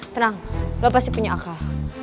tenang lo pasti punya akal